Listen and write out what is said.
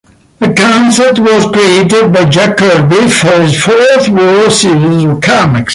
The concept was created by Jack Kirby for his Fourth World series of comics.